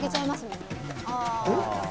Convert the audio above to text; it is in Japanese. えっ？